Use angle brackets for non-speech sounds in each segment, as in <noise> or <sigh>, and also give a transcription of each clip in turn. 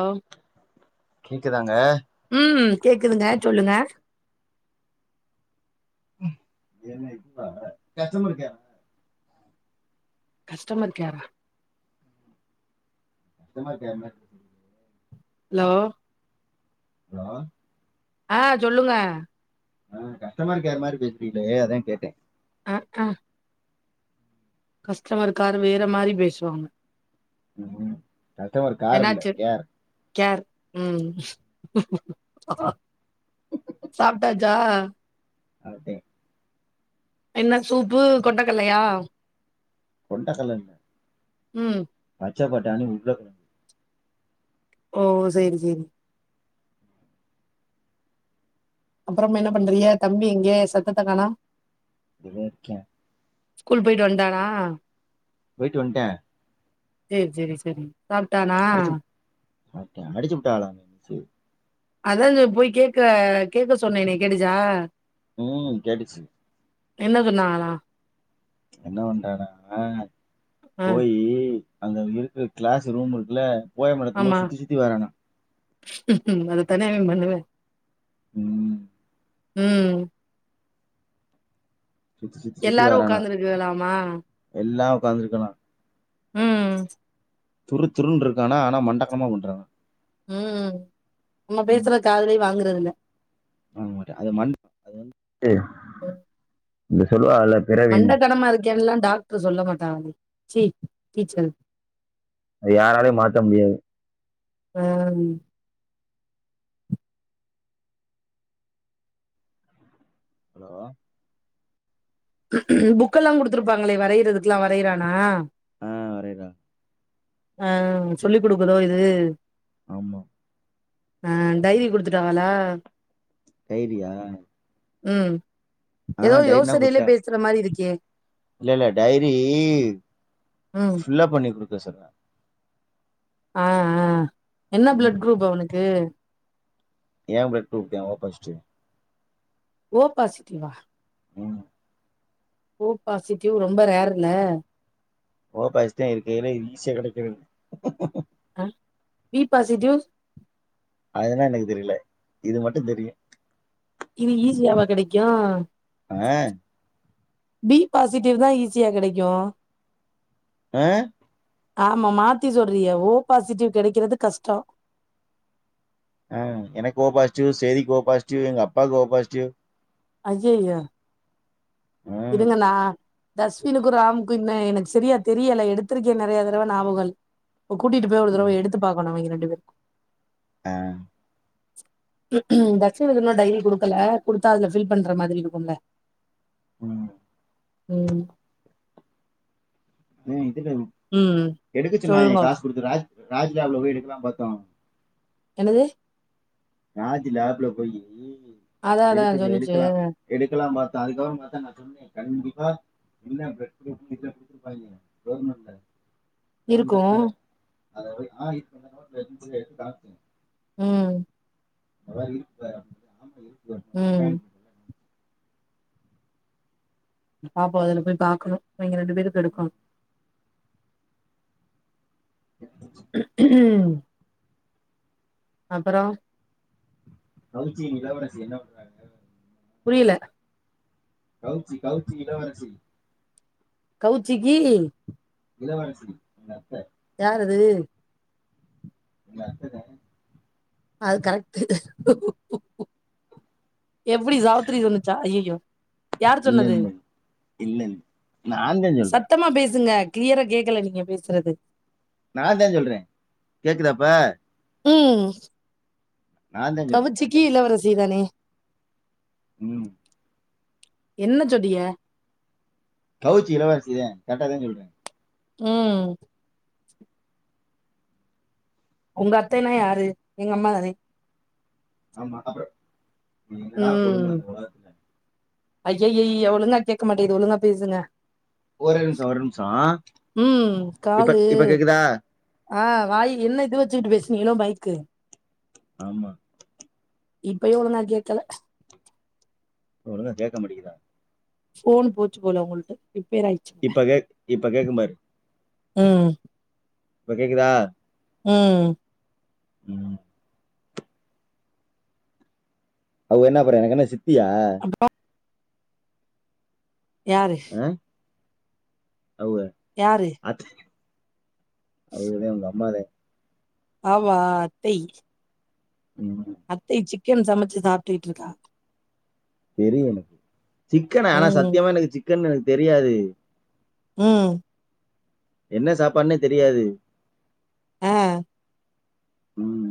ஆஹ் கேக்குதாங்க உம் கேக்குதுங்க சொல்லுங்க உம் அது என்ன இதுவா கஸ்டமர் கேரா கஸ்டமர் கேரா கஸ்டமர் கேர் <inaudible> ஹலோ ஹலோ ஆஹ் சொல்லுங்க ஆஹ் கஷ்டமர்கேர் மாரி பேசுறீங்களே அதா கேட்டே ம் ஆஹ் கஸ்டமர் கார் வேற மாரி பேசுவாங்க ம்கூம் கஸ்டமர் கார் இல்ல என்னாச்சு கேர் கேர் உம் சாப்டாச்சா சாப்ட்டே என்ன சூப்பு கொண்டக்கல்லையா கொண்டக்கல்லனியா ம் பச்சபட்டாணி உருளகெழ ஓ சேரி சேரி அப்புறம் என்ன பண்றீக தம்பி எங்க சத்தத்த கானோ இங்கதா இருக்கா ஸ்கூல் போயிட்டு வன்ட்டானா போயிட்டு வன்டா சேர் சேரி செரிங் சாப்ட்டானா சாப்ட்டே அடிச்சு புட்டாங்ளா சேர் அதா அந்த போய் கேக்க கேக்க சொன்னேனே கேட்டுச்சா ம் கேட்டுச்சு என்ன சொன்னாங்களா என்ன பண்றானா அங்க ஆ போயி அங்க இருக்குற கிளாஸ் ரூம் இருக்குல போயம் நடத்தும் போது சுத்தி சுத்தி வரானா அத தானே இவே பண்ணுவே ம் ம் சுத்தி சுத்தி சுத்தி எல்லாரு உக்காந்துருக்குலாமா உக்காந்துருக்கலா ம் துரு துருன் இருக்கானா ஆனா மண்டக்கமா பண்றானா ம் நம்ம பேசுற காதுலே வாங்க றதில்ல வாங்க மாட்டே அது ம அது வந்ட்டு மண்டக்கனமா இருக்கேன்லா டாக்டர் சொல்ல மாட்டங்ளே சீ டீச்சர் அது யாராலயு மாத்த முடியாது பேம் ஹலோ புக்கெல்லா குடுத்துருப்பாங்களே வரையறதுக்குலா வரையறானா ஆ வரையறா ஆ சொல்லிக் குடுக்குதோ இது ஆமா ஆ டைரி குடுத்துட்டாங்களா டைரியா ம் ஆ எதோ டைரினா யோசனைல கொடுத்துட்டா பேசற மாரி இருக்கே இல்ல இல்ல டைரி ம் ஃப்ல்லாஅப் பண்ணி கொடு பேசற ஆஹ் ஆஹ் என்ன பிளட் குரூப் அவனுக்கு ஏ பிளட் க்ரூப் தாங்க ஒ பாஸிட்டிவ் ஓ பாசிட்டிவா ம் ஓ பாசிட்டிவ் ரொம்ப ரேர் இல்ல ஓ பாஸ்டிவ் இருக்கரதுல்லயே ஈசிய கிடைக்கதுங் பி பாசிட்டிவ் அதுனா எனக்கு தெரியல இது மட்டும் தெரியும் இது ஈஸியாவா கிடைக்கும் அஹ் பி பாசிட்டிவ் தா ஈஸியா கிடைக்கும் ஆஹ் ஆமா மாத்தி சொல்றியே ஓ பாசிட்டிவ் கிடைக்கிறது கஷ்டம் ஆஹ் எனக்கு ஓ பாசிட்டிவ் செரீக்கு ஓ பாசிட்டிவ் எங்க அப்பாவுக்கு ஓ பாசிட்டிவ் ஐய்யோ ம் இருங்கண்ணா தஸ்வனுக்கும் ராமுக்கும் இன்ன எனக்கு சரியா தெரியல எடுத்திருக்கே நிறைய தடவை நாபக இல்ல கூட்டிட்டு போய் ஒரு தரவ எடுத்து பாக்கணும் அவிங்க ரெண்டு பே இரு ஆஹ் தக்சனுக்கு இன்னும் டைரி குடுக்கல குடுத்தா அதுல ஃபில் பண்ற மாதிரி இருக்கும்ல உம் உம் உம் ம் எடுக்க சொன்னாங்க சொல்லுங்க காசு கொடுக்கற ராஜ் ராஜ் லேப்ல போய் எடுக்கலாம் பாத்தோம் என்னது ராஜ் லேப்ல போயி ம் அதா அதா எடுக்குது சொன்னுச்சு எடுக்கலாம் எடுக்கலாம் பா அதுக்க நான் சொன்னேன் கண்டிப்பா என்ன பிளட் க்ரூப் னு குடுதுறுபண்யிங்க இருக்கும் அத ஆ <unintelligible> உம் <unintelligible> இருப்பரு ஆமா இரு உம் பாப்போம்துல போய் பாக்கணும் இங்க ரெண்டு பேருக்கு எடுக்கணும் <inaudible> அப்புறம் <unintelligible> நிலவரசி என்ன பண்றாங்க புரியல கௌச்சி கௌச்சி இளவரசி கவுச்சிக்கீ இளவரசி உங்அத்த யாரது உங் அத்த தே அது கரெக்டு எப்டி சாவித்திரி சொன்னுச்சா ஐய்யயோ யார் இல்ல சொன்னது இல்ல இல்ல இல்ல நான்தா சொல்றே சத்தமா பேசுங்க க்ளியரா கேக்கல நீங்க பேசுறது நாந்தே சொல்றேன் கேக்குதா இப்ப உம் நான்தா சொல்றே கவுச்சிக்கி இளவரசி தானே உம் என்ன சொடிய கவுச்சி இளவரிசி தே கரெக்டா தே சொல்றே உம் ஒங்க அத்தைனா யாரு எங்க அம்மா தானே ஆமா அப்றோ நீ நீங்கடா கோடும இந்த உலகத்துல ஐயய்யய்யோ ஒழுங்கா கேக்க மாட்டிது ஒழுங்கா பேசுங்க ஒரு நிம்ஷோ ஒரு நிம்ஷோ ஆஆ ம் இப்ப இப்ப கேக்குதா ஆஹ் வாய் என்ன இது வச்சுக்கிட்டு பேசுனிங்களோ மைக்கு ஆமா இப்பயு ஒழுங்கா கேக்கல ஒழுங்காகேட்க மாட்டேங்குதா ஃபோன் போச்சு போல ஒங்களுது ரிப்பேர் அயிச்சி இப்பக்கேக்கும்பாரு உம் இப்ப கேக்குதா உம் உம் அவ என்ன பறேன் எனக்கு என்ன சிம் ப்பியா யாரு அவுக யாரு அச் அவுகதே ஒங்க அம்மாதே ஆமா அத்தை உம் அத்தை சிக்கன் சமைச்சு சாப்டிட்டு இருக்கா தெரியும் எனக்கு சிக்கன் ஆனா ம் சத்தியமா எனக்கு சிக்கன் எனக்கு தெரியாது உம் என்ன சாப்பாடுனே தெரியாது ஆஹ் உம்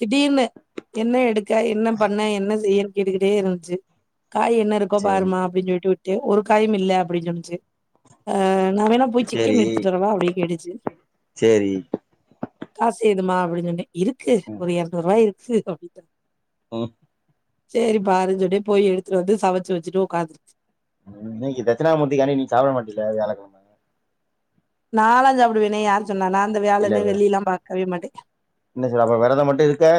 திடீர்னு என்ன எடுக் க்க என்ன பண்ண என்ன செய்யனும் கேட்டுக்கிட்டே இருந்துச்சு காய் என்ன இருக்கோ சரி பாருமா அப்படின்னு சொல்லிட்டு விட்டு விட்டு ஒரு காயும் இல்ல அப்படின்னு சொல்லுச்சு அஹ் நான் வேணா போய் சிக்கன் சரி எடுத்துட்டுரவா அப்படினு கேட்டுச்சு சரி காசு ஏதுமா அப்படின்னு சொன்னே இருக்கு ஒரு இரநூறு ரூபாய் இருக்கு சேரி அபிடிதா ஹ செரி பாாருன்னு சொன்னே போய் எடுத்துட்டு வந்து சமச்சு வச்சுட்டு உட்காந்துருச்சு இன்னைக்கு தட்சினாமூ்த்திக் கானி நீ சாப்பிட மாட்டல வியாழகிழம நாலாஞ்சு சாப்பிடுவேனே யாரு சொன்னா அந்த இல்ல வியாழனு வெள்ளிலா பாக் அதே மாட்டே என்ன சாப்புடுவ வேரதம் மட்டும் இருக்கா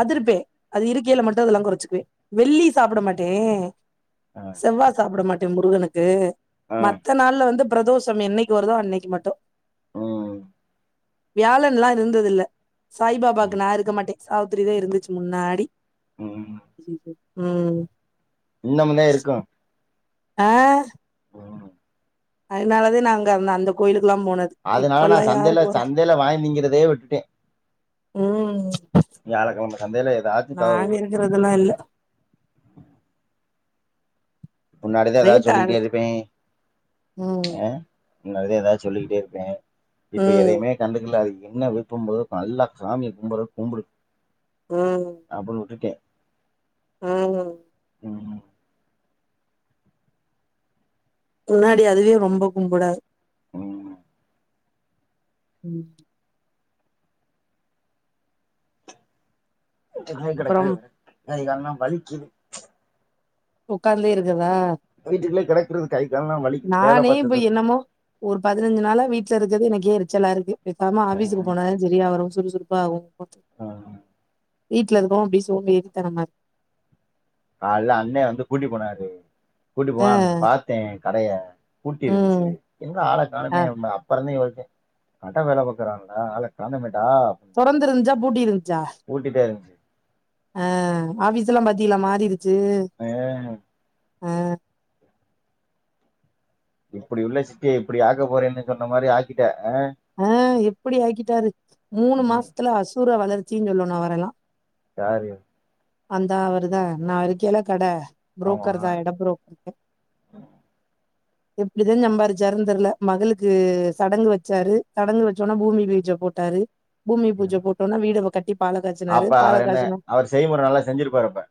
அதுருப்பே அது இருக்கையில மட்டும் அதெல்லா குறைச்சிக்குவேன் வெள்ளி சாப்பிட மாட்டேன் ஆ செவ்வா சாப்பிட மாட்ட முருகனுக்கு ஆ மத்த நாள்ல வந்துப் பிரதோஷம் என்னைக்கு வருதோ அன்னைக்கு மட்டும் உம் வியாழன்லா இருந்ததில்ல சாய் பாபாக்கு ம் நா இருக்க மாட்டேன் சாவுத்திரி தான் இருந்துச்சு முன்னாடி இம் உம் இன்னாமலே இருக்கும் ஆஹ் அதனாலதான் நாங்க அந்த அந்த கோயிலுக்கு அதனால நான் சந்தையில சந்தையில வாய்ந்திங்கிறதே விட்டுட்டேன் ம் வியாழக்கிழம சந்தையில ஏதாச்சும் தவ நாங்க உ <inaudible> இருக்கறதெல்லா இல்ல முன்னாடிதா ரேட்டா சொல்லிக்கிட்டே இருப்பேன் ம் அஹ் முன்னாடிதா எதா சொல்லிக்கிட்டே இருப்ப இப்ப ம் எதையுமே கண்டுக்கல அதுக் என்ன விருப்பம்போது நல்லா சாமிய கும்படற கும்புடு ம் அப்டின் உட்டுட்டே ம் ம் முன்னாடி அதுவே ரொம்ப கும்புடா ம் ம் இப்பதா கடைக்கே அப்புறம் வரே கைகால்ல வலிக்கிது உக்காந்தே இருக்க தா வீட்டுக்குள்ளே கெடக்குறது கை கால்லா வலிக்குது வேல நானே இப்ப பாத்தது என்னமோ ஒரு பதினஞ்சு நாளா வீ கற்தே எனக்கே எரிச்சலா இருக்கு பேசாமா ஆஃபிஸுக்கு போனா தா சரியா வரு சொ துர்பாவொ வீட்ல இருக்கவு அப்டே சோம்பேறித்தனமா இருக் கால்லே அண்ணே வந்து கூட்டிப் போனாரு கூட்டி இருக்கு போவ அங்குட்டு பாத்தே கடைய பூட்டி இருந்த்ச்சு ம் என்ன ஆளக் ஆ காணுமே ம்ம அப்பா கொழந்தைங் வாழ்க கட வேல பாக்குறாங்கல ஆள காணமே தொறந்து இருஞ்ச்சா பூட்டி இருஞ்ச்சா பூட்டிட்டே இருந்துச்சு ஆ ஆஃபீஸ் எல்லா பாத்தீயலா மாறி இரு ஏ ஆ இப்டி உள்ள சித்திய இப்டி ஆக்க போறேன்னு சொன்ன மாரி ஆக்கிட்ட ஆ எப்டி ஆக்கிட்டாரு மூணு ம் மாசத்துல அசூரா வளர் ச்சீன் சொல்லனு அவரல்லா யாரு அந்தா அவருதா நா இருக்கேல்ல கட ஆமா புரோக்கர்தா எட புரோக்கரு எப்டிதா சம்பாறிச்சாருன் தெர்ல மகளுக்கு சடங்கு வச்சாரு சடங்கு வச்சோன்னே பூமி பீஜ போட்டாரு பூமி பூஜை ம் போட்டோனே வீட கட்டி பாலகாச்சினாரு அப்ப அவர் என்ன பாலகாச்சினா அவர் செய்முறை நல்லா செஞ்சிருப்பாரு அப்ப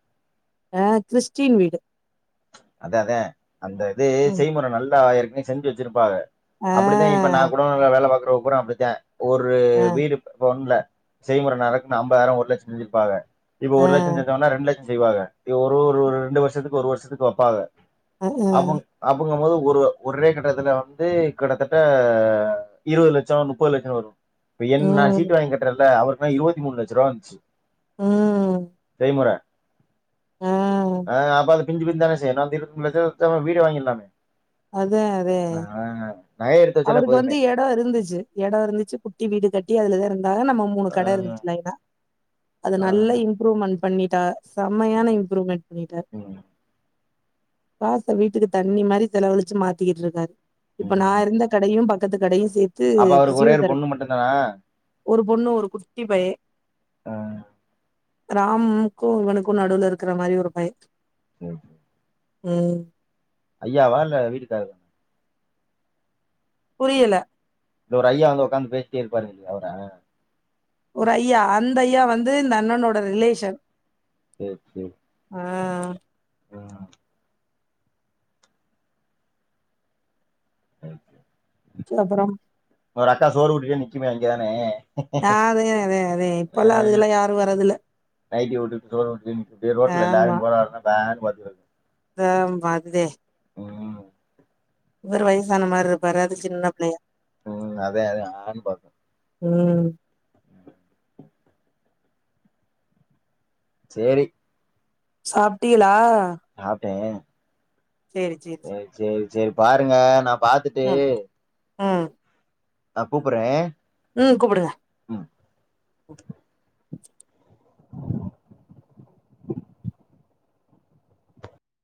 அ கிறிஸ்டின் வீடு அத அதே அந்த இது ம் செய்முறைம நல்லா இருக் செஞ்சு வெச்சிருப்பாக ஆ அப்படித்தா இப்ப நா கூட வேலை பாக்கற பூரா பேரு அப்படிதா ஒரு ஆ வீடு இப்ப ஒண்ணுல செய்முறை நருக்குன்னு ஐம்பதாயிரம் ஒரு லட்சம் செஞ்சிருப்பாங்க இப்ப ஆ ஒரு லட்சம் செஞ்சங்கனா ரெண்டு லட்ச செய்வாக ஒரு ஒரு ரெண்டு வருஷத்துக்கு ஒரு வருஷத்துக்கு அப் பாத ஆ அவுங்க அவுங்க வா ஒரு ஒரே கட்டத்துல வந்து கட்டத்தட்ட இருபது லட்சம் முப்பது லட்சம் வரு என் நா சீட்டு ம் வாங்கி கட்றல அவருக் ஆ இருபத்தி மூணு லட்ச ரூபா வந்துச்சு ம் செய்முற ஆ <unintelligible> வீடு வாங்கிடலாமே அது அதே ஆஹ் நகையை எடுத்து வச்சாலே அவருது வந்து போதுமே எடோ இருந்துச்சு எடோ இருந்துச்சு குட்டி வீடு கட்டி அதுலதாருந் ஆ நம்ம மூணு கட ஆஹ் இருந்துச்சு லைன்னா அது நல்லா ஆஹ் இம்ப்ரூவ்மெண்ட் பண்ணிட் த செம்மையான இம்ப்ரூவ்மென்ட் பண்ணிட்ட உம் காச வீட்டுக்கு தண்ணி மாதிரி செலவழிச்சு மாத்திக்கிட்டு இருக்காரு இப்ப நா உம் இருந்தப் பக்கத்து கடைச் அப்ப அவருக்கு ஒரோ ஒரு பொண்ணு மட்டுதானா ஒரு பொண்ணு ஒரு குட்டி பைய ஆ ராம்க்கு ஒனுக்கு நடுவுல இருக்கற மாரி ஒரு பைய சேரி சேரி ம் ஐயா வாழ்த வீட்டுதேவைல புரியல இங்க ஒரு ஐயா அங்க உட்காந்து பேசிட்டே இருப்பாருல்லையா அவரா ஒரு ஐயா அந்த ஐயா வந்து இந்த அண்ணனோட ரிலேஷன் செரி செரி ஆ ஆ ஓக்கே செரி அப்பறம் ஒரு அக்கா சோறு ஊட்டிட்டே நிக்குமே அங்க தானே அதே அதே அதே ஆ இப்பல்லா அதுகெல்லா யாரு வரதில்ல நைட்டி போட்டுட்டு சோருட்டிட்டு நிக்கு ரோட்ல ஆமா எல்லாரையு போரா வரவங்க பேனு மதுரக <unintelligible> இவரு வயசான மாரி இருப்பாரு அது சின்ன பிள்ளையா உம் அத அ ஆன் பாக்கு ம் சேரி சாப்ட்டிகலா சா ட்டே செரி செரி செ செரி பாருங்க நா பாத்துட்டு ம் ஆ கூப்புறே உம் கூப்புடுங்க